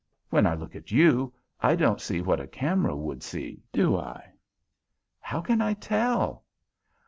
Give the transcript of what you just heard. When I look at you, I don't see what a camera would see, do I?" "How can I tell?"